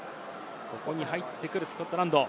ここに入ってくるスコットランド。